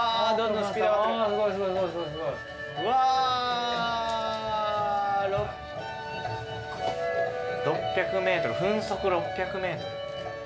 うわ６００メートル分速６００メートル。